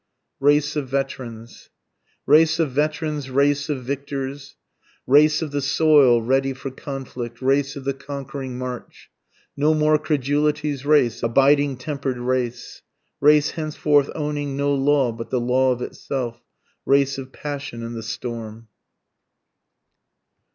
RACE OF VETERANS. Race of veterans race of victors! Race of the soil, ready for conflict race of the conquering march; (No more credulity's race, abiding temper'd race,) Race henceforth owning no law but the law of itself, Race of passion and the storm.